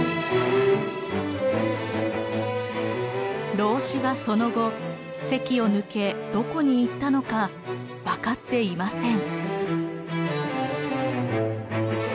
老子がその後関を抜けどこに行ったのか分かっていません。